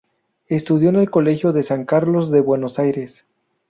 Estudió en el Colegio de San Carlos de Buenos Aires.